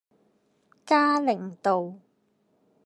嘉齡道